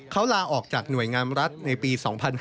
เขาลาออกจากหน่วยงามรัฐในปี๒๕๕๙